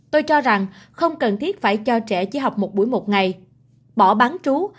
tôi cho rằng không cần thiết phải cho trẻ chỉ học một buổi một ngày bỏ bán trú